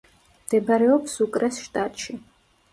მდებარეობს სუკრეს შტატში.